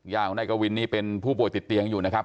ของนายกวินนี่เป็นผู้ป่วยติดเตียงอยู่นะครับ